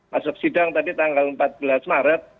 masuk sidang tadi tanggal empat belas maret